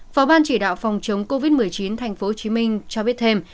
phó ban chỉ đạo phòng chống covid một mươi chín tp hcm cho biết thêm